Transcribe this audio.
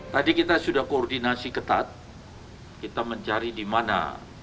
tadi kita sudah koordinasi ketat kita mencari di mana